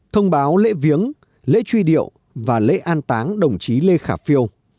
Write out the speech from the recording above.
thông báo lễ viếng lễ truy điệu và lễ an táng đồng chí lê khả phiêu